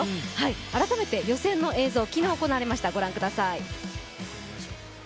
改めて予選の映像、昨日行われました、ご覧ください。